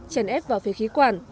trèn ép vào phía khí quản